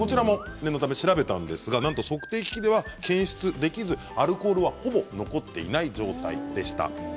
調べてみたんですが測定機器では検出できずアルコールはほぼ残っていない状態でした。